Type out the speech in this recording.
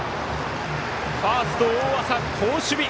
ファースト大麻、好守備。